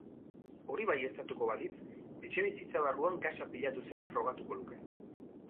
Hori baieztatuko balitz, etxebizitza barruan gasa pilatu zela frogatuko luke.